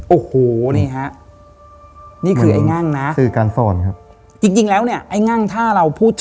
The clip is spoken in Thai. โอ้โหนี่ค่ะ